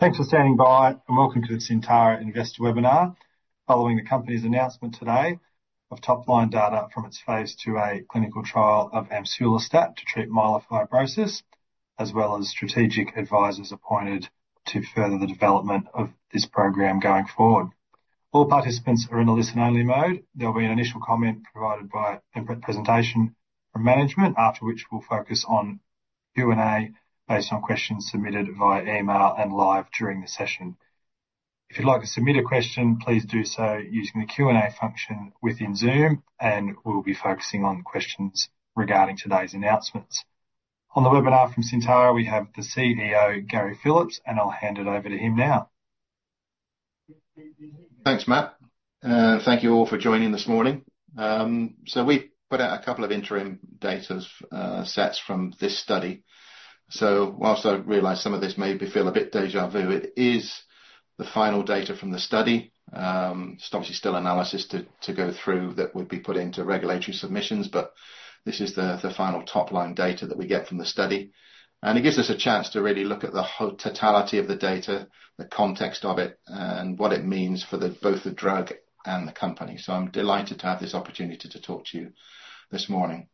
Thanks for standing by, and welcome to the Syntara Investor webinar, following the company's announcement today of top-line data from its phase 2A clinical trial of amsulastat to treat myelofibrosis, as well as strategic advisors appointed to further the development of this program going forward. All participants are in a listen-only mode. There'll be an initial comment provided by a presentation from management, after which we'll focus on Q&A based on questions submitted via email and live during the session. If you'd like to submit a question, please do so using the Q&A function within Zoom, and we'll be focusing on questions regarding today's announcements. On the webinar from Syntara, we have the CEO, Gary Phillips, and I'll hand it over to him now. Thanks, Matt. Thank you all for joining this morning. So we put out a couple of interim data sets from this study. So while I realize some of this may feel a bit déjà vu, it is the final data from the study. It's obviously still analysis to go through that would be put into regulatory submissions, but this is the final top-line data that we get from the study. And it gives us a chance to really look at the totality of the data, the context of it, and what it means for both the drug and the company. So I'm delighted to have this opportunity to talk to you this morning.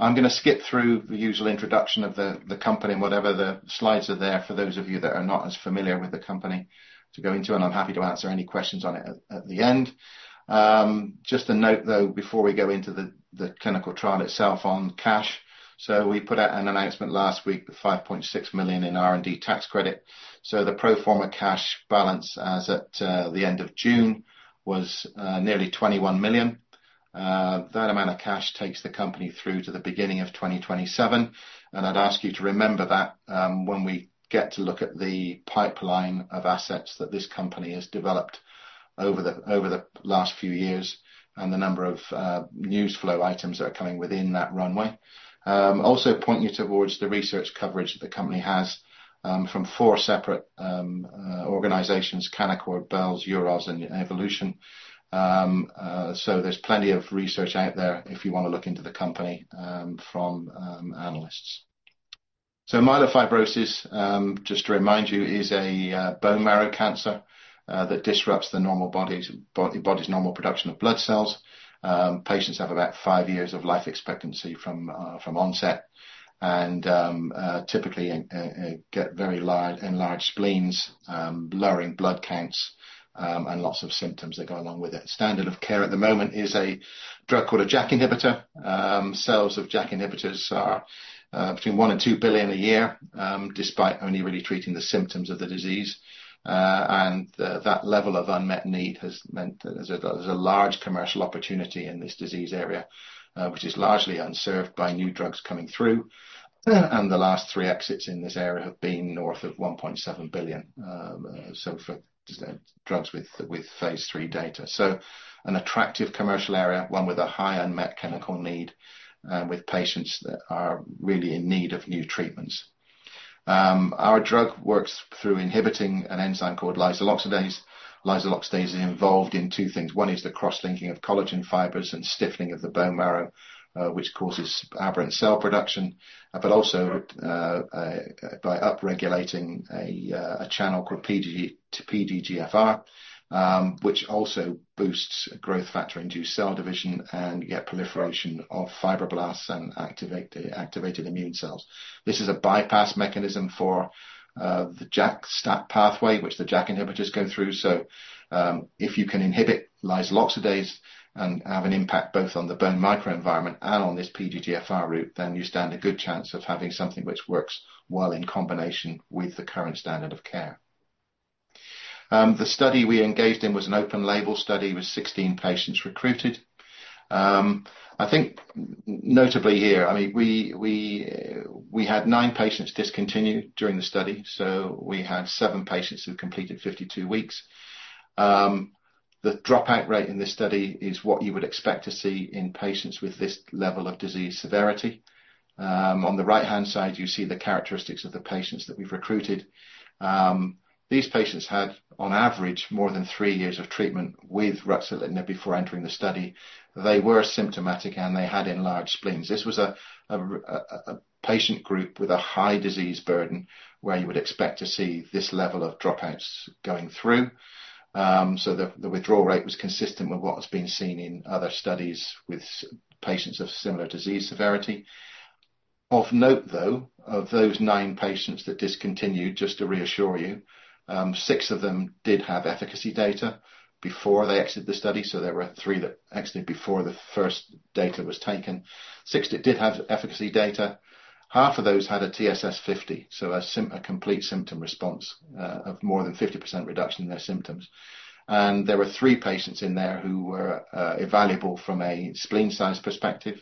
I'm going to skip through the usual introduction of the company and whatever the slides are there for those of you that are not as familiar with the company to go into, and I'm happy to answer any questions on it at the end. Just a note though, before we go into the clinical trial itself on cash, so we put out an announcement last week for 5.6 million in R&D tax credit. So the pro forma cash balance as at the end of June was nearly 21 million. That amount of cash takes the company through to the beginning of 2027. And I'd ask you to remember that when we get to look at the pipeline of assets that this company has developed over the last few years and the number of news flow items that are coming within that runway. Also point you towards the research coverage that the company has from four separate organizations: Canaccord, Bells, Euroz, and Evolution. Myelofibrosis, just to remind you, is a bone marrow cancer that disrupts the body's normal production of blood cells. Patients have about five years of life expectancy from onset and typically get very large spleens, lowering blood counts and lots of symptoms that go along with it. Standard of care at the moment is a drug called a JAK inhibitor. Sales of JAK inhibitors are between one and two billion a year, despite only really treating the symptoms of the disease. That level of unmet need has meant that there's a large commercial opportunity in this disease area, which is largely unserved by new drugs coming through. And the last three exits in this area have been north of 1.7 billion. So for drugs with phase 3 data, so an attractive commercial area, one with a high unmet clinical need with patients that are really in need of new treatments. Our drug works through inhibiting an enzyme called lysyl oxidase. Lysyl oxidase is involved in two things. One is the cross-linking of collagen fibers and stiffening of the bone marrow, which causes aberrant cell production, but also by upregulating a channel called PDGFR, which also boosts growth factor-induced cell division and yet proliferation of fibroblasts and activated immune cells. This is a bypass mechanism for the JAK-STAT pathway, which the JAK inhibitors go through. So if you can inhibit lysyl oxidase and have an impact both on the bone microenvironment and on this PDGFR route, then you stand a good chance of having something which works well in combination with the current standard of care. The study we engaged in was an open label study with 16 patients recruited. I think notably here, I mean, we had nine patients discontinue during the study. So we had seven patients who completed 52 weeks. The dropout rate in this study is what you would expect to see in patients with this level of disease severity. On the right-hand side, you see the characteristics of the patients that we've recruited. These patients had, on average, more than three years of treatment with ruxolitinib before entering the study. They were symptomatic and they had enlarged spleens. This was a patient group with a high disease burden where you would expect to see this level of dropouts going through. So the withdrawal rate was consistent with what has been seen in other studies with patients of similar disease severity. Of note though, of those nine patients that discontinued, just to reassure you, six of them did have efficacy data before they exited the study. So there were three that exited before the first data was taken. Six that did have efficacy data. Half of those had a TSS50, so a complete symptom response of more than 50% reduction in their symptoms. And there were three patients in there who were evaluable from a spleen size perspective.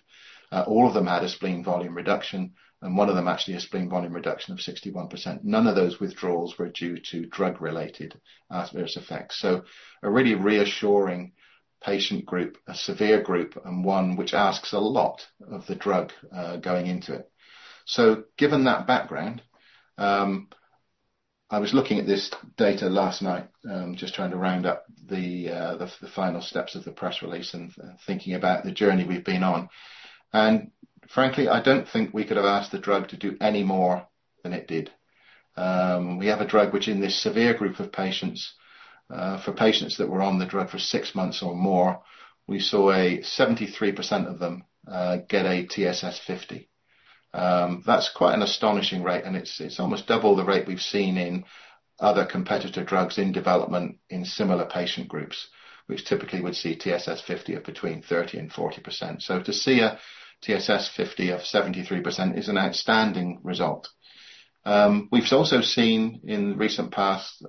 All of them had a spleen volume reduction, and one of them actually had a spleen volume reduction of 61%. None of those withdrawals were due to drug-related adverse effects. A really reassuring patient group, a severe group, and one which asks a lot of the drug going into it. Given that background, I was looking at this data last night, just trying to round up the final steps of the press release and thinking about the journey we've been on. Frankly, I don't think we could have asked the drug to do any more than it did. We have a drug which, in this severe group of patients, for patients that were on the drug for six months or more, we saw 73% of them get a TSS50. That's quite an astonishing rate, and it's almost double the rate we've seen in other competitor drugs in development in similar patient groups, which typically would see TSS50 of between 30%-40%. To see a TSS50 of 73% is an outstanding result. We've also seen in recent past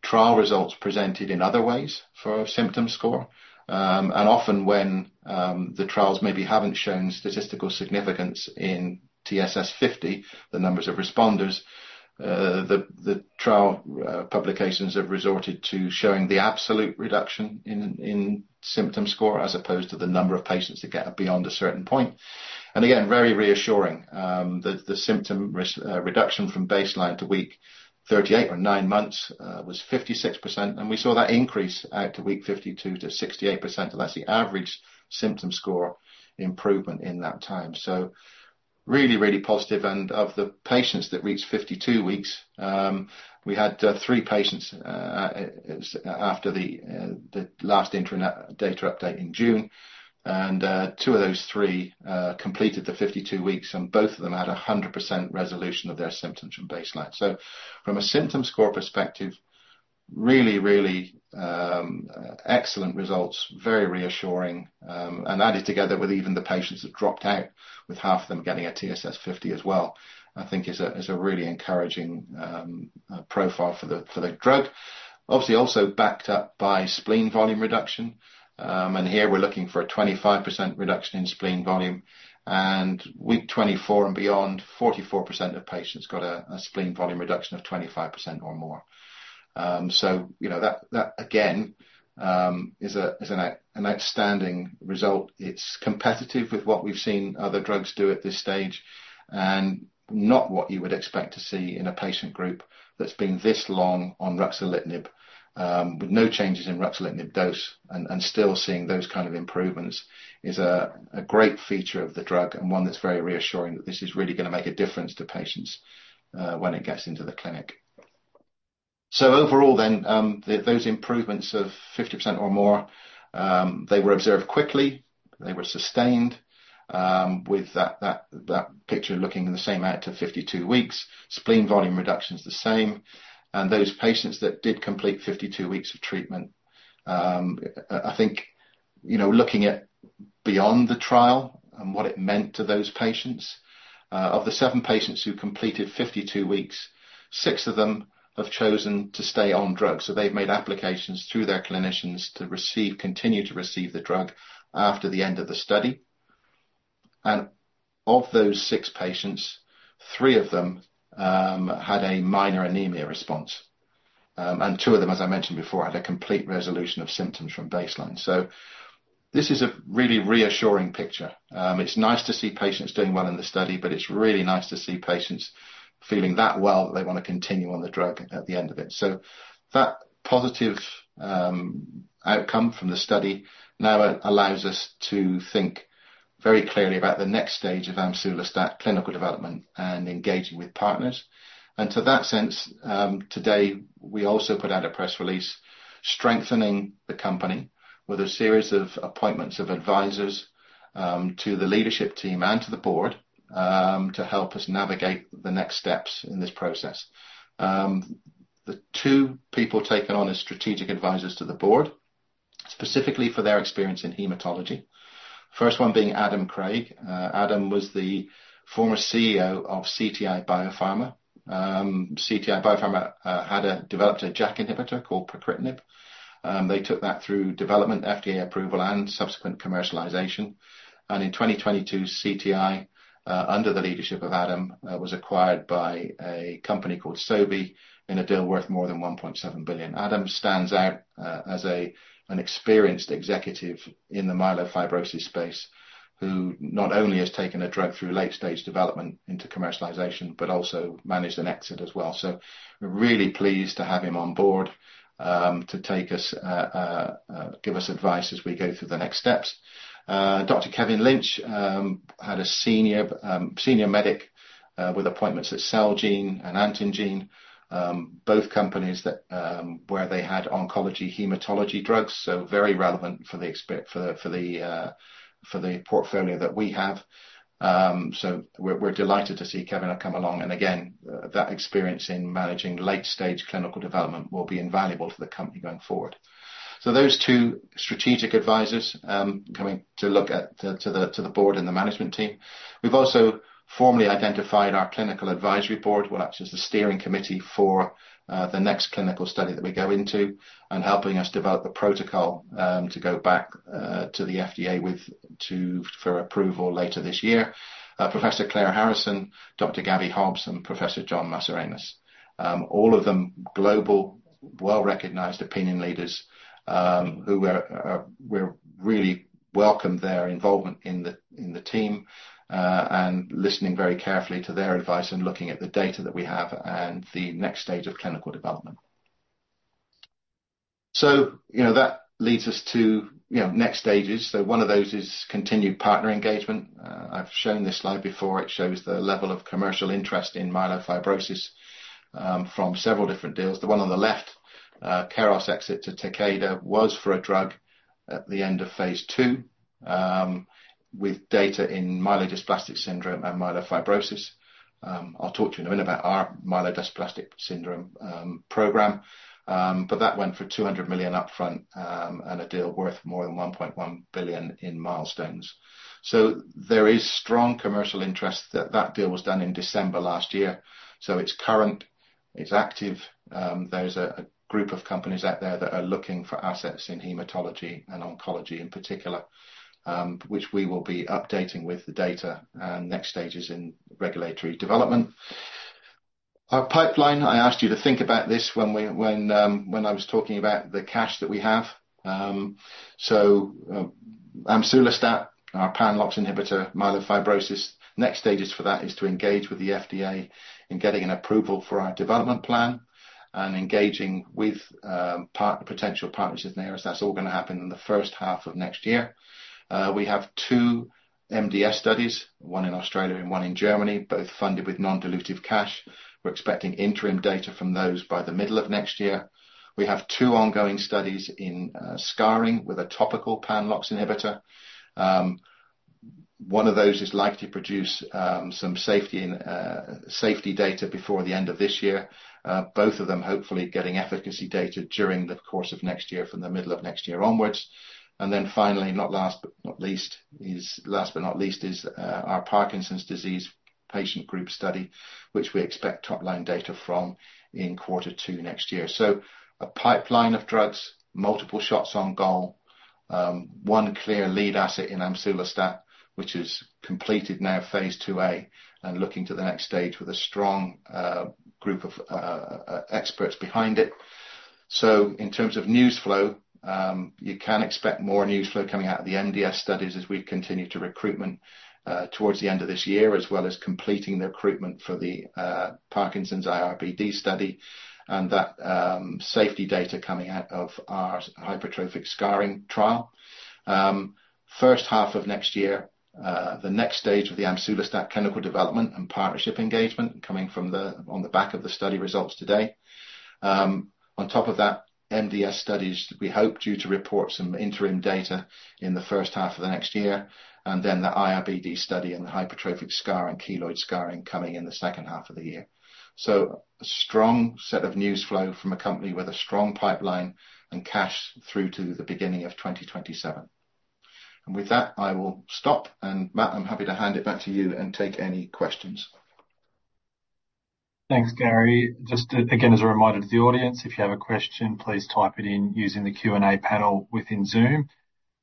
trial results presented in other ways for a symptom score. And often when the trials maybe haven't shown statistical significance in TSS50, the numbers of responders, the trial publications have resorted to showing the absolute reduction in symptom score as opposed to the number of patients that get beyond a certain point. And again, very reassuring that the symptom reduction from baseline to week 38 or nine months was 56%. And we saw that increase out to week 52 to 68%. So that's the average symptom score improvement in that time. So really, really positive. And of the patients that reached 52 weeks, we had three patients after the last data update in June, and two of those three completed the 52 weeks, and both of them had 100% resolution of their symptoms from baseline. So from a symptom score perspective, really, really excellent results, very reassuring. And added together with even the patients that dropped out, with half of them getting a TSS50 as well, I think is a really encouraging profile for the drug. Obviously, also backed up by spleen volume reduction. And here we're looking for a 25% reduction in spleen volume. And week 24 and beyond, 44% of patients got a spleen volume reduction of 25% or more. So that, again, is an outstanding result. It's competitive with what we've seen other drugs do at this stage, and not what you would expect to see in a patient group that's been this long on ruxolitinib, with no changes in ruxolitinib dose and still seeing those kind of improvements is a great feature of the drug and one that's very reassuring that this is really going to make a difference to patients when it gets into the clinic. So overall then, those improvements of 50% or more, they were observed quickly. They were sustained with that picture looking the same out to 52 weeks. Spleen volume reduction is the same. And those patients that did complete 52 weeks of treatment, I think looking at beyond the trial and what it meant to those patients, of the seven patients who completed 52 weeks, six of them have chosen to stay on drugs. They've made applications through their clinicians to continue to receive the drug after the end of the study. And of those six patients, three of them had a minor anemia response. And two of them, as I mentioned before, had a complete resolution of symptoms from baseline. So this is a really reassuring picture. It's nice to see patients doing well in the study, but it's really nice to see patients feeling that well that they want to continue on the drug at the end of it. So that positive outcome from the study now allows us to think very clearly about the next stage of amsulastat clinical development and engaging with partners. To that sense, today we also put out a press release strengthening the company with a series of appointments of advisors to the leadership team and to the board to help us navigate the next steps in this process. The two people taken on as strategic advisors to the board, specifically for their experience in hematology. First one being Adam Craig. Adam was the former CEO of CTI BioPharma. CTI BioPharma had developed a JAK inhibitor called pacritinib. They took that through development, FDA approval, and subsequent commercialization. And in 2022, CTI, under the leadership of Adam, was acquired by a company called Sobi in a deal worth more than 1.7 billion. Adam stands out as an experienced executive in the myelofibrosis space who not only has taken a drug through late-stage development into commercialization, but also managed an exit as well. So we're really pleased to have him on board to give us advice as we go through the next steps. Dr. Kevin Lynch had a senior medic with appointments at Celgene and Antengene, both companies where they had oncology/hematology drugs, so very relevant for the portfolio that we have. So we're delighted to see Kevin come along. And again, that experience in managing late-stage clinical development will be invaluable for the company going forward. So those two strategic advisors coming to look at the board and the management team. We've also formally identified our clinical advisory board, which is the steering committee for the next clinical study that we go into and helping us develop the protocol to go back to the FDA for approval later this year. Professor Claire Harrison, Dr. Gaby Hobbs, and Professor John Mascarenhas. All of them global, well-recognized opinion leaders who were really welcomed their involvement in the team and listening very carefully to their advice and looking at the data that we have and the next stage of clinical development. So that leads us to next stages. So one of those is continued partner engagement. I've shown this slide before. It shows the level of commercial interest in myelofibrosis from several different deals. The one on the left, Keros exit to Takeda, was for a drug at the end of phase 2 with data in myelodysplastic syndrome and myelofibrosis. I'll talk to you in a minute about our myelodysplastic syndrome program, but that went for 200 million upfront and a deal worth more than 1.1 billion in milestones. So there is strong commercial interest, that that deal was done in December last year. So it's current, it's active. There's a group of companies out there that are looking for assets in hematology and oncology in particular, which we will be updating with the data and next stages in regulatory development. Our pipeline, I asked you to think about this when I was talking about the cash that we have. So amsulastat, our pan-LOX inhibitor, myelofibrosis, next stages for that is to engage with the FDA in getting an approval for our development plan and engaging with potential partners in there. That's all going to happen in the first half of next year. We have two MDS studies, one in Australia and one in Germany, both funded with non-dilutive cash. We're expecting interim data from those by the middle of next year. We have two ongoing studies in scarring with a topical pan-LOX inhibitor. One of those is likely to produce some safety data before the end of this year. Both of them hopefully getting efficacy data during the course of next year from the middle of next year onwards. And then finally, not last but not least, last but not least is our Parkinson's disease patient group study, which we expect top-line data from in quarter two next year. So a pipeline of drugs, multiple shots on goal, one clear lead asset in amsulastat, which has completed now phase 2A and looking to the next stage with a strong group of experts behind it. So in terms of news flow, you can expect more news flow coming out of the MDS studies as we continue to recruit towards the end of this year, as well as completing the recruitment for the Parkinson's IRBD study and that safety data coming out of our hypertrophic scarring trial. First half of next year, the next stage of the amsulastat clinical development and partnership engagement coming on the back of the study results today. On top of that, MDS studies, we hope due to report some interim data in the first half of the next year, and then the IRBD study and the hypertrophic scar and keloid scarring coming in the second half of the year, so a strong set of news flow from a company with a strong pipeline and cash through to the beginning of 2027, and with that, I will stop. Matt, I'm happy to hand it back to you and take any questions. Thanks, Gary. Just again, as a reminder to the audience, if you have a question, please type it in using the Q&A panel within Zoom,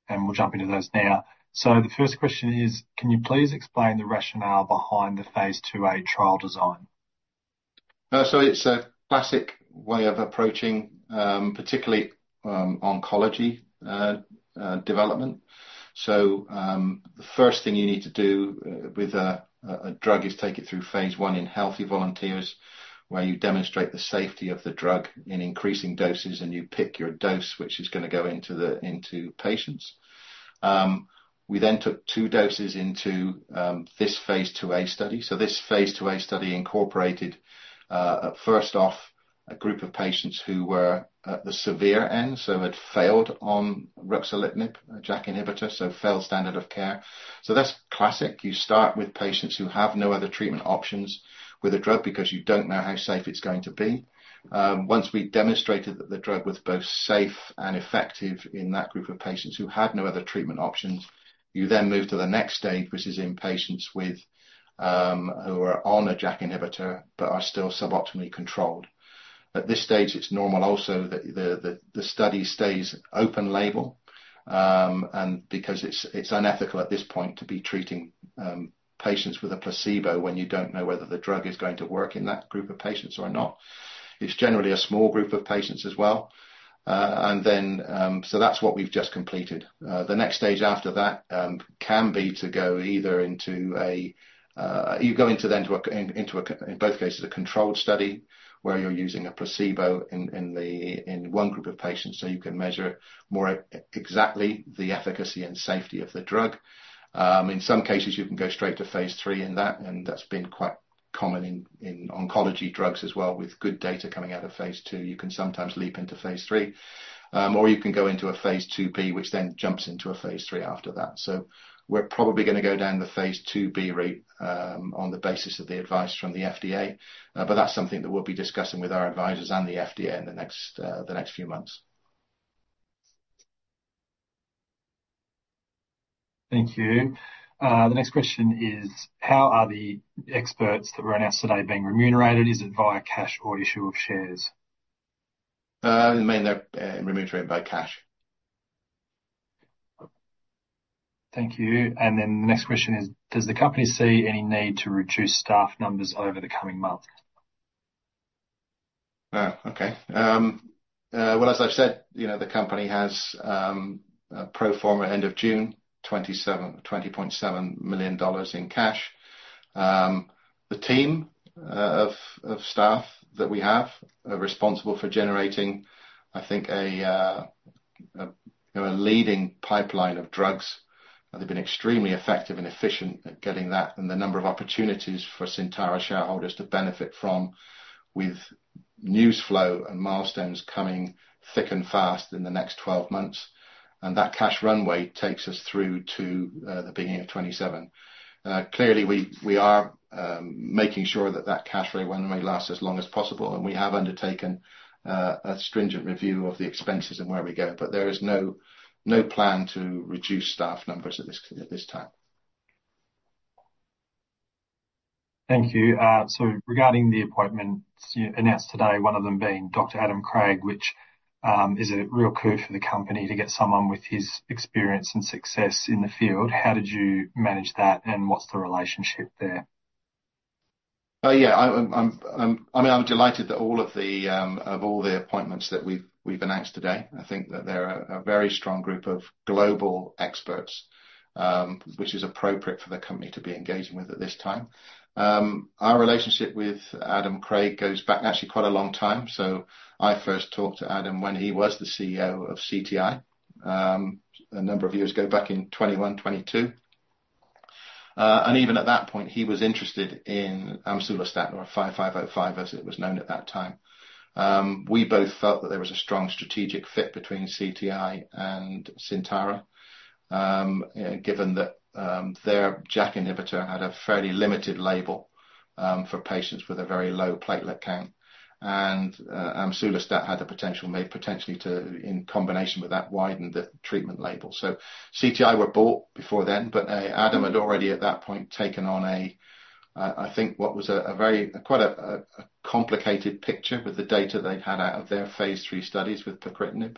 and we'll jump into those now. The first question is, can you please explain the rationale behind the phase 2A trial design? It's a classic way of approaching, particularly oncology development. The first thing you need to do with a drug is take it through phase 1 in healthy volunteers, where you demonstrate the safety of the drug in increasing doses, and you pick your dose, which is going to go into patients. We then took two doses into this phase 2A study. This phase 2A study incorporated, first off, a group of patients who were at the severe end, so had failed on ruxolitinib, a JAK inhibitor, so failed standard of care. That's classic. You start with patients who have no other treatment options with a drug because you don't know how safe it's going to be. Once we demonstrated that the drug was both safe and effective in that group of patients who had no other treatment options, you then move to the next stage, which is in patients who are on a JAK inhibitor but are still suboptimally controlled. At this stage, it's normal also that the study stays open label, and because it's unethical at this point to be treating patients with a placebo when you don't know whether the drug is going to work in that group of patients or not, it's generally a small group of patients as well, and then so that's what we've just completed. The next stage after that can be to go either into a, in both cases, a controlled study where you're using a placebo in one group of patients so you can measure more exactly the efficacy and safety of the drug. In some cases, you can go straight to phase 3 in that, and that's been quite common in oncology drugs as well. With good data coming out of phase 2, you can sometimes leap into phase 3, or you can go into a phase 2B, which then jumps into a phase 3 after that. So we're probably going to go down the phase 2B route on the basis of the advice from the FDA, but that's something that we'll be discussing with our advisors and the FDA in the next few months. Thank you. The next question is, how are the experts that were announced today being remunerated? Is it via cash or issue of shares? Mainly remunerated by cash. Thank you. And then the next question is, does the company see any need to reduce staff numbers over the coming months? Okay, well, as I've said, the company has pro forma end of June 20.7 million dollars in cash. The team of staff that we have are responsible for generating, I think, a leading pipeline of drugs. They've been extremely effective and efficient at getting that and the number of opportunities for Syntara shareholders to benefit from with news flow and milestones coming thick and fast in the next 12 months. And that cash runway takes us through to the beginning of 2027. Clearly, we are making sure that that cash runway lasts as long as possible, and we have undertaken a stringent review of the expenses and where we go, but there is no plan to reduce staff numbers at this time. Thank you. So regarding the appointments announced today, one of them being Dr. Adam Craig, which is a real coup for the company to get someone with his experience and success in the field. How did you manage that, and what's the relationship there? Yeah, I mean, I'm delighted that all of the appointments that we've announced today, I think that they're a very strong group of global experts, which is appropriate for the company to be engaging with at this time. Our relationship with Adam Craig goes back actually quite a long time. So I first talked to Adam when he was the CEO of CTI BioPharma a number of years ago, back in 2021, 2022. And even at that point, he was interested in amsulastat, or 5505, as it was known at that time. We both felt that there was a strong strategic fit between CTI BioPharma and Syntara, given that their JAK inhibitor had a fairly limited label for patients with a very low platelet count. And amsulastat had the potential to, in combination with that, widen the treatment label. So CTI BioPharma were bought before then, but Adam had already at that point taken on a, I think, what was quite a complicated picture with the data they'd had out of their phase 3 studies with pacritinib.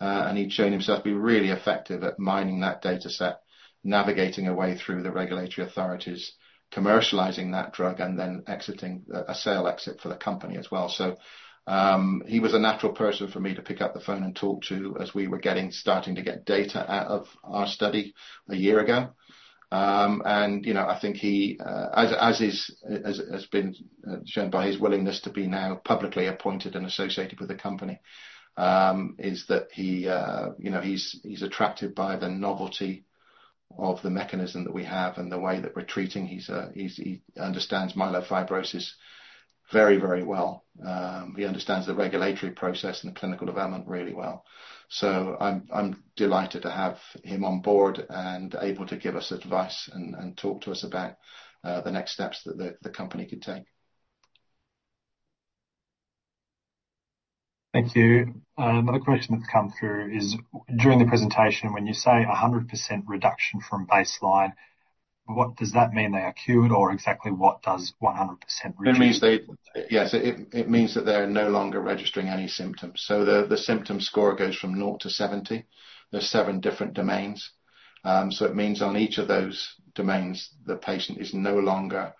And he'd shown himself to be really effective at mining that data set, navigating away through the regulatory authorities, commercializing that drug, and then exiting a sale exit for the company as well. So he was a natural person for me to pick up the phone and talk to as we were starting to get data out of our study a year ago. And I think he, as has been shown by his willingness to be now publicly appointed and associated with the company, is that he's attracted by the novelty of the mechanism that we have and the way that we're treating. He understands myelofibrosis very, very well. He understands the regulatory process and the clinical development really well, so I'm delighted to have him on board and able to give us advice and talk to us about the next steps that the company could take. Thank you. Another question that's come through is, during the presentation, when you say 100% reduction from baseline, what does that mean? They are cured, or exactly what does 100% reduce? Yes, it means that they're no longer registering any symptoms. So the symptom score goes from 0 to 70. There's seven different domains. So it means on each of those domains, the patient is no longer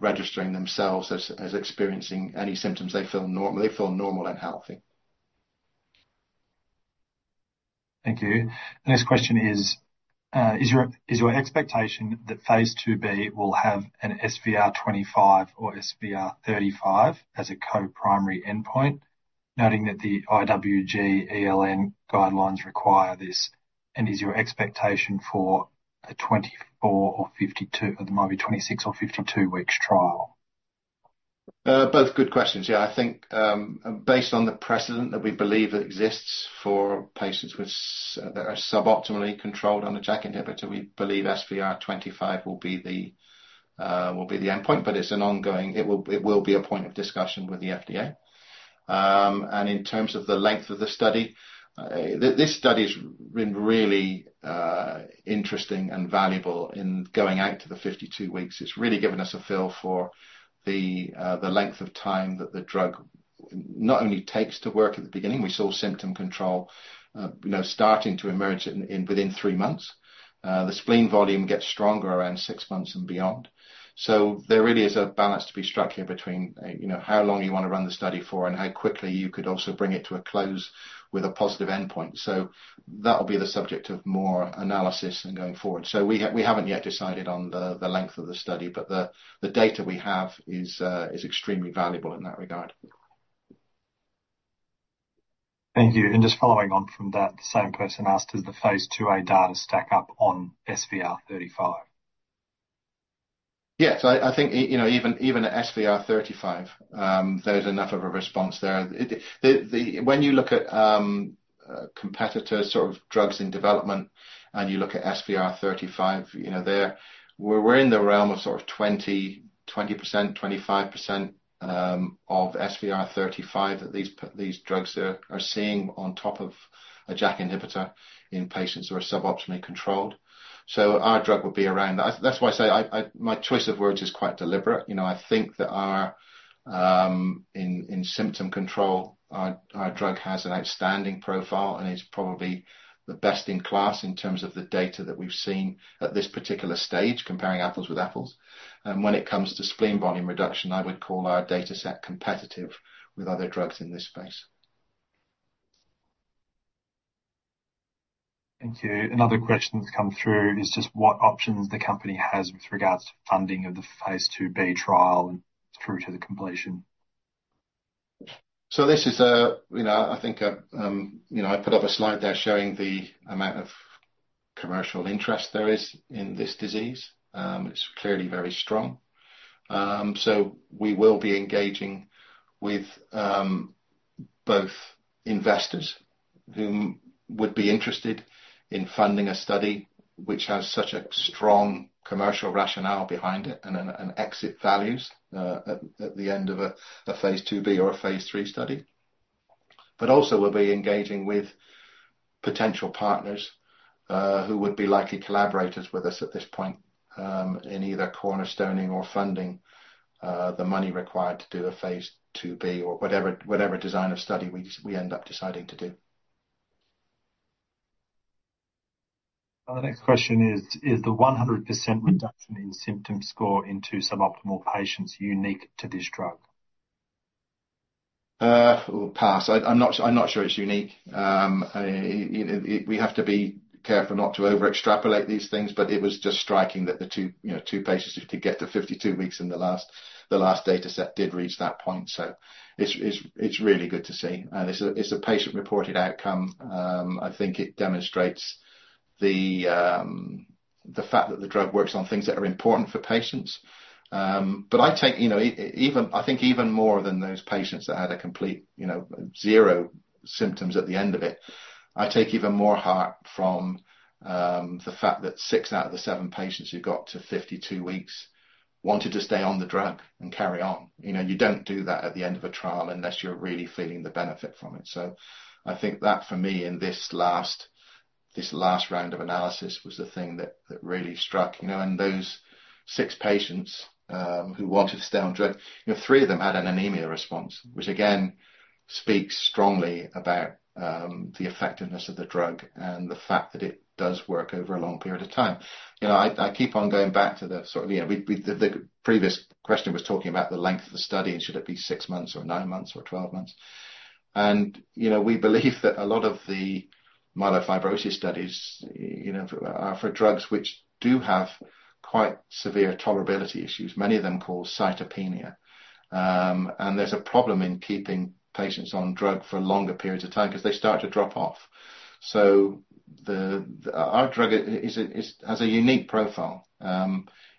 registering themselves as experiencing any symptoms. They feel normal and healthy. Thank you. The next question is, is your expectation that phase 2B will have an SVR25 or SVR35 as a co-primary endpoint, noting that the IWG-ELN guidelines require this? And is your expectation for a 24 or 52, or there might be 26 or 52 weeks trial? Both good questions. Yeah, I think based on the precedent that we believe exists for patients that are suboptimally controlled on a JAK inhibitor, we believe SVR25 will be the endpoint, but it's ongoing. It will be a point of discussion with the FDA, and in terms of the length of the study, this study has been really interesting and valuable in going out to the 52 weeks. It's really given us a feel for the length of time that the drug not only takes to work at the beginning. We saw symptom control starting to emerge within three months. The spleen volume gets stronger around six months and beyond, so there really is a balance to be struck here between how long you want to run the study for and how quickly you could also bring it to a close with a positive endpoint. So that will be the subject of more analysis and going forward. So we haven't yet decided on the length of the study, but the data we have is extremely valuable in that regard. Thank you. And just following on from that, the same person asked, does the phase 2A data stack up on SVR35? Yes, I think even at SVR35, there's enough of a response there. When you look at competitor sort of drugs in development and you look at SVR35, we're in the realm of sort of 20%, 25% of SVR35 that these drugs are seeing on top of a JAK inhibitor in patients who are suboptimally controlled. So our drug would be around that. That's why I say my choice of words is quite deliberate. I think that in symptom control, our drug has an outstanding profile, and it's probably the best in class in terms of the data that we've seen at this particular stage, comparing apples with apples. And when it comes to spleen volume reduction, I would call our data set competitive with other drugs in this space. Thank you. Another question that's come through is just what options the company has with regards to funding of the phase 2B trial through to the completion? So this is, I think, I put up a slide there showing the amount of commercial interest there is in this disease. It's clearly very strong. So we will be engaging with both investors who would be interested in funding a study which has such a strong commercial rationale behind it and exit values at the end of a phase 2B or a phase 3 study. But also, we'll be engaging with potential partners who would be likely collaborators with us at this point in either cornerstoning or funding the money required to do a phase 2B or whatever design of study we end up deciding to do. The next question is, is the 100% reduction in symptom score in suboptimal patients unique to this drug? It will pass. I'm not sure it's unique. We have to be careful not to overextrapolate these things, but it was just striking that the two patients who could get to 52 weeks in the last data set did reach that point. So it's really good to see. It's a patient-reported outcome. I think it demonstrates the fact that the drug works on things that are important for patients. But I think even more than those patients that had a complete zero symptoms at the end of it, I take even more heart from the fact that six out of the seven patients who got to 52 weeks wanted to stay on the drug and carry on. You don't do that at the end of a trial unless you're really feeling the benefit from it. So I think that for me in this last round of analysis was the thing that really struck. And those six patients who wanted to stay on drug, three of them had an anemia response, which again speaks strongly about the effectiveness of the drug and the fact that it does work over a long period of time. I keep on going back to the sort of the previous question was talking about the length of the study and should it be six months or nine months or 12 months. And we believe that a lot of the myelofibrosis studies are for drugs which do have quite severe tolerability issues, many of them called cytopenia. And there's a problem in keeping patients on drug for longer periods of time because they start to drop off. So our drug has a unique profile.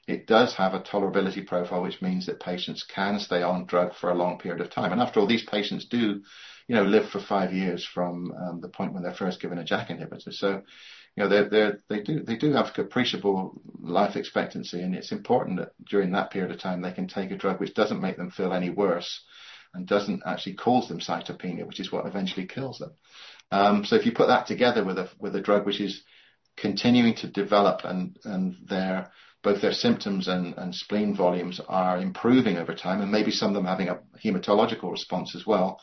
It does have a tolerability profile, which means that patients can stay on drug for a long period of time, and after all, these patients do live for five years from the point when they're first given a JAK inhibitor, so they do have appreciable life expectancy, and it's important that during that period of time they can take a drug which doesn't make them feel any worse and doesn't actually cause them cytopenia, which is what eventually kills them, so if you put that together with a drug which is continuing to develop and both their symptoms and spleen volumes are improving over time, and maybe some of them having a hematological response as well,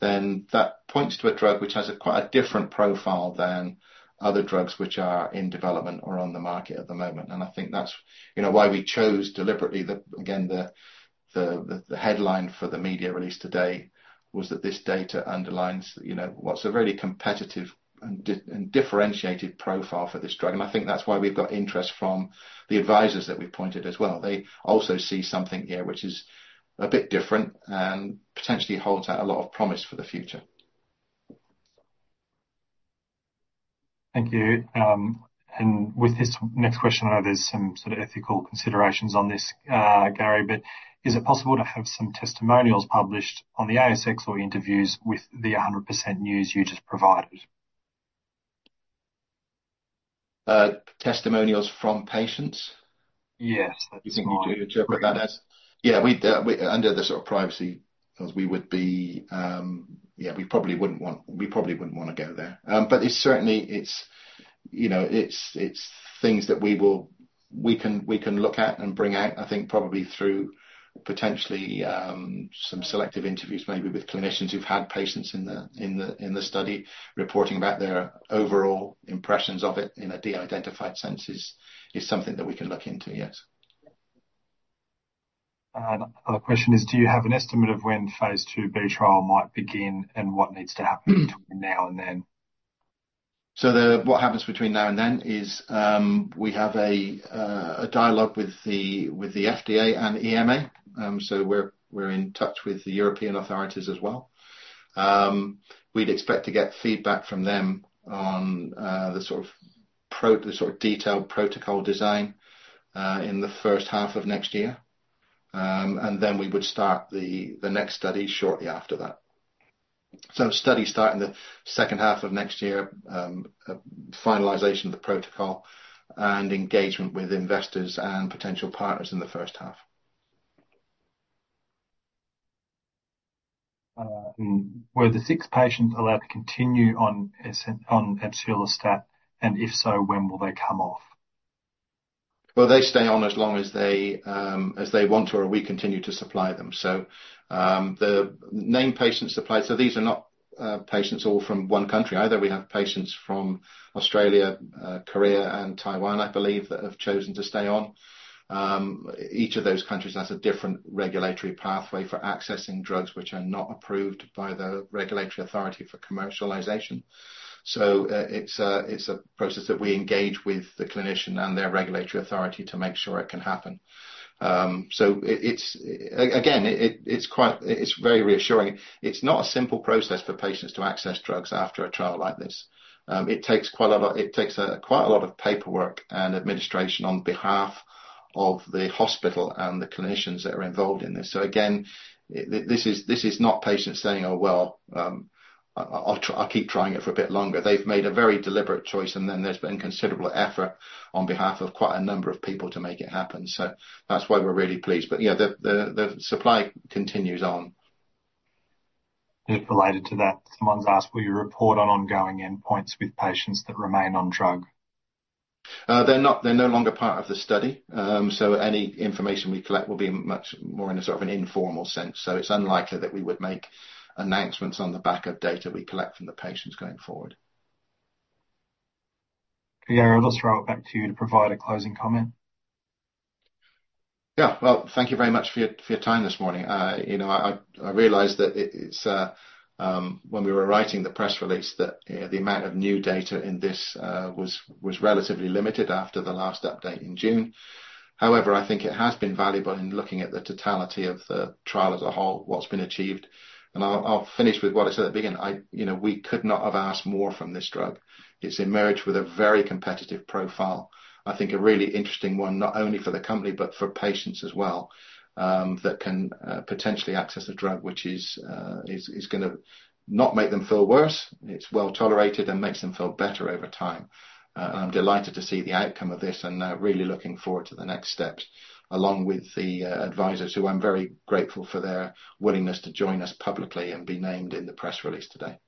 then that points to a drug which has quite a different profile than other drugs which are in development or on the market at the moment. I think that's why we chose deliberately, again, the headline for the media release today was that this data underlines what's a really competitive and differentiated profile for this drug. I think that's why we've got interest from the advisors that we've appointed as well. They also see something here which is a bit different and potentially holds out a lot of promise for the future. Thank you. And with this next question, there's some sort of ethical considerations on this, Gary. But is it possible to have some testimonials published on the ASX or interviews with the 100% news you just provided? Testimonials from patients? Yes. You think you do interpret that as? Yeah, under the sort of privacy because we would be yeah, we probably wouldn't want to go there. But certainly, it's things that we can look at and bring out, I think, probably through potentially some selective interviews maybe with clinicians who've had patients in the study reporting about their overall impressions of it in a de-identified sense is something that we can look into. Yes. Other question is, do you have an estimate of when phase 2B trial might begin and what needs to happen between now and then? So what happens between now and then is we have a dialogue with the FDA and EMA. So we're in touch with the European authorities as well. We'd expect to get feedback from them on the sort of detailed protocol design in the first half of next year. And then we would start the next study shortly after that. So study start in the second half of next year, finalization of the protocol, and engagement with investors and potential partners in the first half. Were the six patients allowed to continue on amsulastat? And if so, when will they come off? They stay on as long as they want or we continue to supply them. So the named patient supply, so these are not patients all from one country either. We have patients from Australia, Korea, and Taiwan, I believe, that have chosen to stay on. Each of those countries has a different regulatory pathway for accessing drugs which are not approved by the regulatory authority for commercialization. So it's a process that we engage with the clinician and their regulatory authority to make sure it can happen. So again, it's very reassuring. It's not a simple process for patients to access drugs after a trial like this. It takes quite a lot of paperwork and administration on behalf of the hospital and the clinicians that are involved in this. So again, this is not patients saying, "Oh, well, I'll keep trying it for a bit longer." They've made a very deliberate choice, and then there's been considerable effort on behalf of quite a number of people to make it happen. So that's why we're really pleased. But yeah, the supply continues on. Related to that, someone's asked: Will you report on ongoing endpoints with patients that remain on drug? They're no longer part of the study. So any information we collect will be much more in a sort of an informal sense. So it's unlikely that we would make announcements on the back of data we collect from the patients going forward. Gary, I'll just throw it back to you to provide a closing comment. Yeah, well, thank you very much for your time this morning. I realize that when we were writing the press release, the amount of new data in this was relatively limited after the last update in June. However, I think it has been valuable in looking at the totality of the trial as a whole, what's been achieved, and I'll finish with what I said at the beginning. We could not have asked more from this drug. It's emerged with a very competitive profile. I think a really interesting one, not only for the company, but for patients as well, that can potentially access a drug which is going to not make them feel worse. It's well tolerated and makes them feel better over time. I'm delighted to see the outcome of this and really looking forward to the next steps along with the advisors, who I'm very grateful for their willingness to join us publicly and be named in the press release today.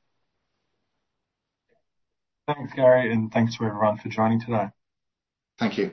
Thanks, Gary, and thanks to everyone for joining today. Thank you.